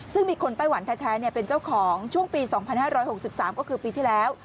ซึ่งมีคนไต้หวันแท้เป็นเจ้าของช่วงปี๒๕๖๓ก็คือปีที่แล้ว